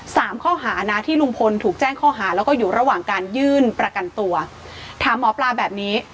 สามข้อหานะที่ลุงพลถูกแจ้งข้อหาแล้วก็อยู่ระหว่างการยื่นประกันตัวถามหมอปลาแบบนี้